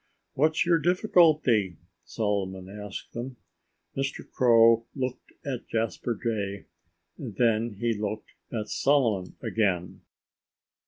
"What's your difficulty?" Solomon asked them. Mr. Crow looked at Jasper Jay. And then he looked at Solomon again.